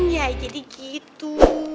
ya jadi gitu